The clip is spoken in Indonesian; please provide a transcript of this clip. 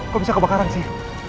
kok bisa kebakaran sih